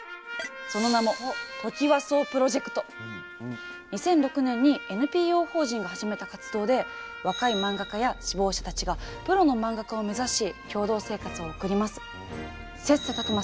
その名も２００６年にＮＰＯ法人が始めた活動で若い漫画家や志望者たちがプロの漫画家を目指し共同生活を送ります。